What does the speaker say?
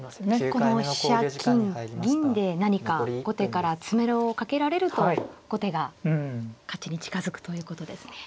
この飛車金銀で何か後手から詰めろをかけられると後手が勝ちに近づくということですね。